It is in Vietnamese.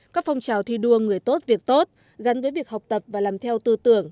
các phong trào thi đua người tốt việc tốt gắn với việc học tập và làm theo tư tưởng